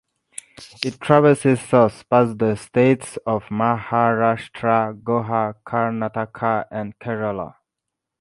It traverses south past the states of Maharashtra, Goa, Karnataka and Kerala.